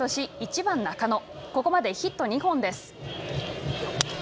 ここまでヒット２本です。